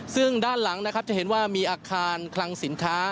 ซึ่งด้านหลังนะครับจะเห็นว่ามีอาคารคลังสินค้า